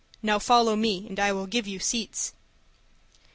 Now follow me, and I will give you seats."